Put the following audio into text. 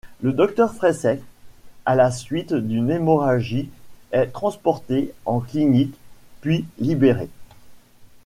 Le docteur Fraisseix, à la suite d'une hémorragie est transporté en clinique, puis libéré.